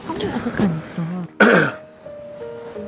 kamu jangan ke kantor